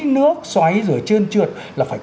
nước xoáy rồi chơn trượt là phải